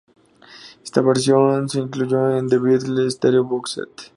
Esta versión se incluyó en "The Beatles Stereo Box Set".